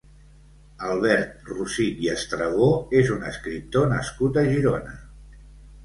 Albert Rossich i Estragó és un escriptor nascut a Girona.